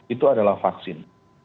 itu adalah vaksin